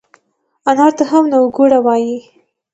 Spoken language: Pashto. انار ته هم نووګوړه وای